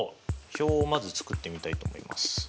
表をまず作ってみたいと思います。